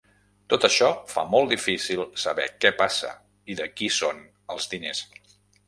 Tot això fa molt difícil saber què passa i de qui són els diners.